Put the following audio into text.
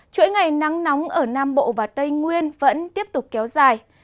chuỗi ngày nắng nóng ở nam bộ và tây nguyên vẫn tiếp tục kéo dài